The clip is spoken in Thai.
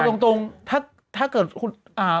เอาตรงถ้าเกิดคุณ